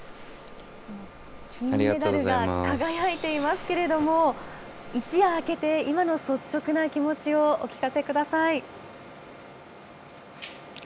金メダルが輝いていますけれども、一夜明けて、今の率直な気持ちをお聞かせください。